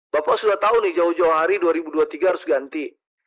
bapak sudah tahu nih jawa jawa hari dua ribu dua puluh tiga harus ganti